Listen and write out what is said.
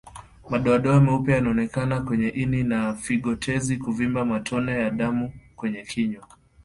Madoadoa meupe yanaonekana kwenye ini na figoTezi kuvimba Matone ya damu kwenye kinywa